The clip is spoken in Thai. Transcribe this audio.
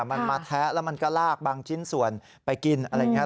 มันมาแทะแล้วมันก็ลากบางชิ้นส่วนไปกินอะไรอย่างนี้